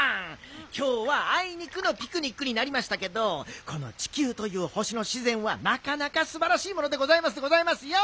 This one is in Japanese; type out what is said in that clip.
きょうはあいにくのピクニックになりましたけどこのちきゅうというほしのしぜんはなかなかすばらしいものでございますでございますよ！